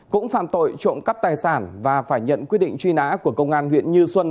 cũng phạm tội trộm cắp tài sản và phải nhận quyết định truy nã của công an huyện như xuân